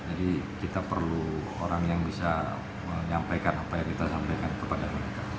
jadi kita perlu orang yang bisa menyampaikan apa yang kita sampaikan kepada mereka